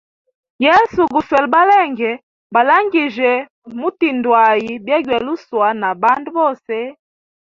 Yesu guswele balenge, balangijye mutindwʼayi byegaluswa na bandu bose.